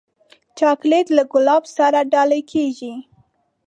چاکلېټ له ګلاب سره ډالۍ کېږي.